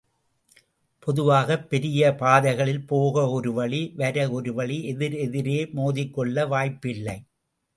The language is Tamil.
பொதுவாகப் பெரிய பாதைகளில் போக ஒரு வழி வர ஒரு வழி எதிர் எதிரே மோதிக்கொள்ள வாய்ப்பு இல்லை.